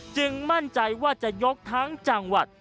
มั่นใจว่าจะยกทั้งจังหวัด